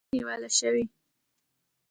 د طبي سیاحت مخه نیول شوې؟